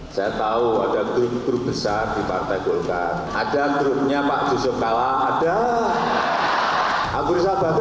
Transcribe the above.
saya tahu ada grup grup besar di partai golkar ada grupnya pak jusuf kawang ada